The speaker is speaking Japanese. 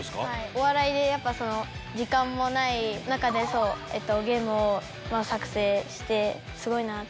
お笑いでやっぱその時間もない中でゲームを作成してすごいなって。